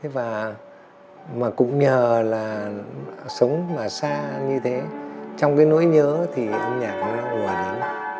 và mà cũng nhờ là sống mà xa như thế trong cái nỗi nhớ thì âm nhạc nó hùa lắm